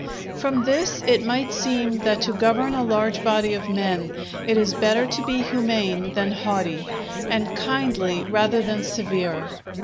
From this it might seem that to govern a large body of men, it is better to be humane than haughty, and kindly rather than severe.